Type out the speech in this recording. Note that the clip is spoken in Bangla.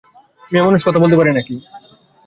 মেয়েমানুষ কথা বলতে পারে নাকি!